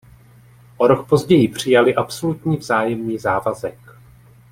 O rok později přijali absolutní vzájemný závazek.